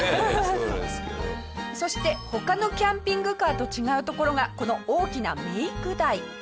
そして他のキャンピングカーと違うところがこの大きなメイク台。